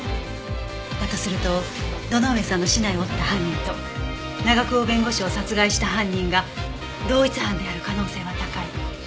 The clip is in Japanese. だとすると堂上さんの竹刀を折った犯人と長久保弁護士を殺害した犯人が同一犯である可能性は高い。